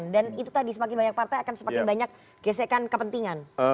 dan itu tadi semakin banyak partai akan semakin banyak gesekan kepentingan